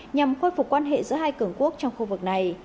nhằm khôi phục quan hệ giữa hai cường quốc trong khu vực này